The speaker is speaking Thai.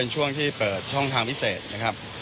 ช่วงที่เปิดช่องทางพิเศษนะครับ